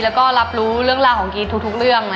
แล้วก็รับรู้เรื่องราวของกรี๊ดทุกเรื่อง